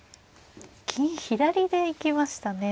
金左で行きましたね。